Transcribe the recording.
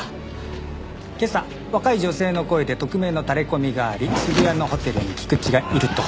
今朝若い女性の声で匿名のタレコミがあり渋谷のホテルに菊池がいると。